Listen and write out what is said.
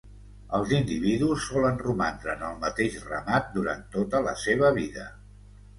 Els individus solen romandre en el mateix ramat durant tota la seva vida.